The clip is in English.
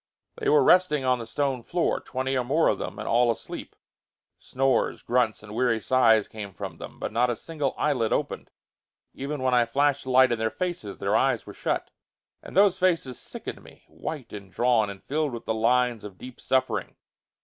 They were resting on the stone floor, twenty or more of them, and all asleep. Snores, grunts and weary sighs came from them, but not a single eyelid opened. Even when I flashed the light in their faces their eyes were shut. And those faces sickened me; white and drawn and filled with the lines of deep suffering.